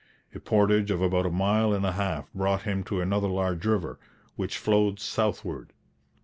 A portage of about a mile and a half brought him to another large river, which flowed southward.